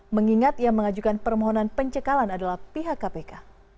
mengingat yang mengajukan permohonan pencekalan adalah pihak kpk